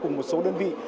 cùng một số đơn vị